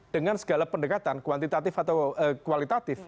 dengan segala pendekatan kuantitatif atau kualitatif